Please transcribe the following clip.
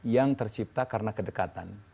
yang tercipta karena kedekatan